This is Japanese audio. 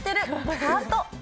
ハート。